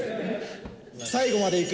最後まで行く！